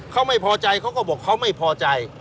เขาไม่พอใจเขาก็บอกเขาไม่พอใจ